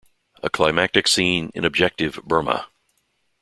A climactic scene in Objective, Burma!